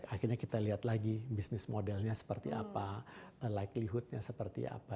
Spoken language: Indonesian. akhirnya kita lihat lagi bisnis modelnya seperti apa likellywoodnya seperti apa